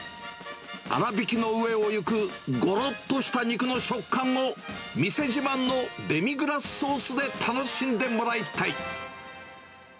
あらびきの上をゆくごろっとした肉の食感を、店自慢のデミグラスソースで楽しんでもらいたい。